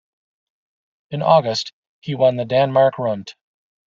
In August, he won the Danmark Rundt.